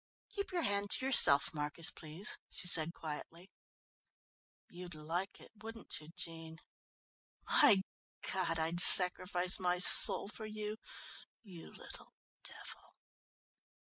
"Keep your hand to yourself, Marcus, please," she said quietly. "You'd like it, wouldn't you, Jean? My God, I'd sacrifice my soul for you, you little devil!"